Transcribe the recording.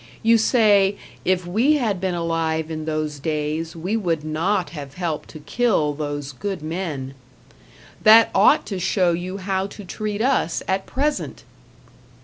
You say, if we had been alive in those days, we would not have helped to kill those good men. That ought to show you how to treat us at present.